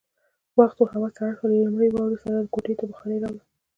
وخت ووت، هوا سړه شوه، له لومړۍ واورې سره يې کوټې ته بخارۍ راوړه.